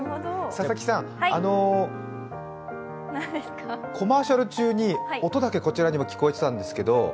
佐々木さん、コマーシャル中に音だけこちらに聞こえてたんですけど